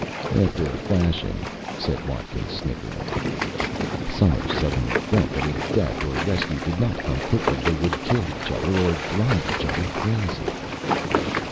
"After a fashion," said Watkins, snickering. Somers suddenly felt that if death or rescue did not come quickly, they would kill each other, or drive each other crazy.